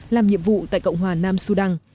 làm nhiệm vụ tại cộng hòa nam sudan